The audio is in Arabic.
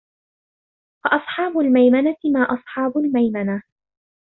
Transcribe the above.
فَأَصحابُ المَيمَنَةِ ما أَصحابُ المَيمَنَةِ